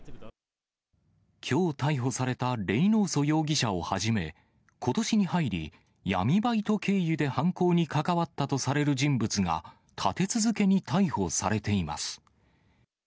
きょう逮捕されたレイノーソ容疑者をはじめ、ことしに入り、闇バイト経由で犯行に関わったとされる人物が、立て続けに逮捕されています。